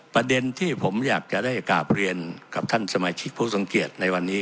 ประเด็นที่ผมอยากจะได้กราบเรียนกับท่านสมาชิกผู้ทรงเกียจในวันนี้